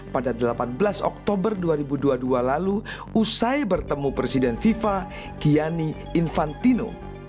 pada delapan belas oktober dua ribu dua puluh dua lalu usai bertemu presiden fifa kiani infantino